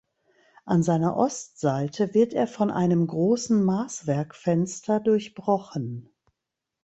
An seiner Ostseite wird er von einem großen Maßwerkfenster durchbrochen.